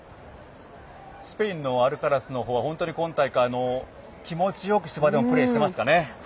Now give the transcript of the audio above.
スペインのアルカラスの方は本当今大会、気持ちよく芝でもプレーしてますかね。